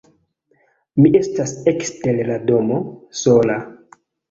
Mi estas ekster la domo, sola.